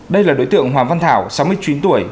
đây là đối tượng hoàng văn thảo sáu mươi chín tuổi